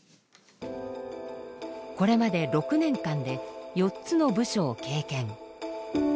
これまで６年間で４つの部署を経験。